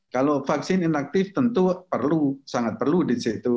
kalau vaksin inaktif tentu perlu sangat perlu di situ